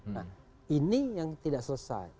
nah ini yang tidak selesai